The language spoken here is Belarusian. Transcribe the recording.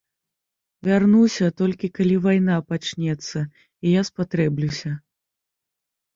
Вярнуся, толькі калі вайна пачнецца, і я спатрэблюся.